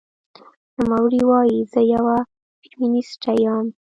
نوموړې وايي، "زه یوه فېمینیسټه یم